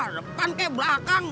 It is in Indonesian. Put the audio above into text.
depan kayak belakang